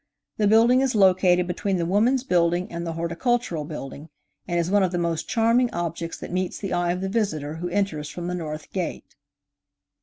The building is located between the Woman's Building and the Horticultural Building, and is one of the most charming objects that meets the eye of the visitor who enters from the north gate.